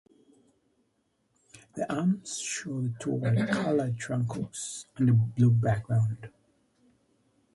The arms show two white-colored trunk-hooks on a blue background.